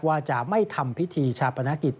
ว่าจะไม่ทำพิธีชาปนกิจ